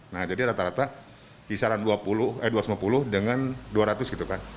nah jadi rata rata kisaran dua ratus lima puluh dengan dua ratus gitu kan